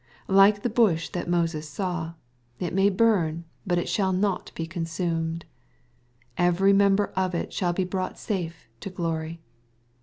Like the bush that Moses saw, it may burn, but shall not be con sumed. (Every member of it shall be brought safe to glory.